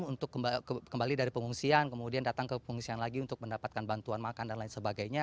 untuk kembali dari pengungsian kemudian datang ke pengungsian lagi untuk mendapatkan bantuan makan dan lain sebagainya